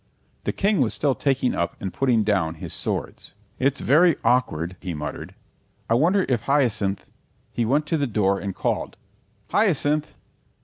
The King was still taking up and putting down his swords. "It's very awkward," he muttered; "I wonder if Hyacinth " He went to the door and called "Hyacinth!"